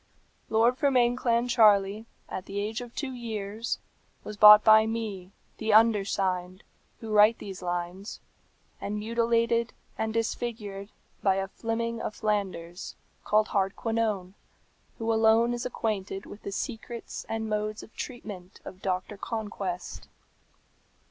"Lord Fermain Clancharlie, at the age of two years, was bought by me, the undersigned, who write these lines, and mutilated and disfigured by a Fleming of Flanders, called Hardquanonne, who alone is acquainted with the secrets and modes of treatment of Doctor Conquest.